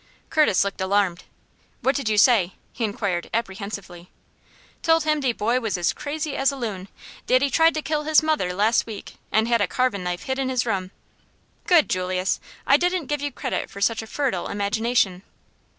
Curtis looked alarmed. "What did you say?" he inquired, apprehensively. "Told him de boy was crazy as a loon dat he tried to kill his mother las' week, and had a carvin' knife hid in his room." "Good, Julius! I didn't give you credit for such a fertile imagination.